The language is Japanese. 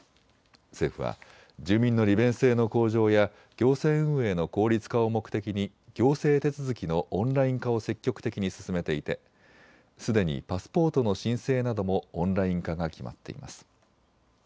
政府は住民の利便性の向上や行政運営の効率化を目的に行政手続きのオンライン化を積極的に進めていてすでにパスポートの申請などもオンライン化が決まっています。